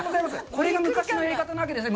これが昔のやり方なわけですね？